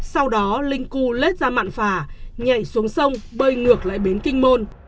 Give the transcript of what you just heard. sau đó linh cưu lết ra mạn phà nhảy xuống sông bơi ngược lại bến kinh môn